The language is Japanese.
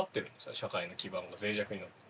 社会の基盤がぜい弱になってる。